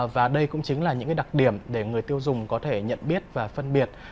và đây cũng chính là những đặc điểm để người tiêu dùng có thể nhận biết và phân biệt